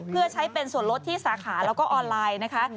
เพื่อใช้เป็นส่วนลดที่สาขาแล้วก็ออนไลน์นะคะ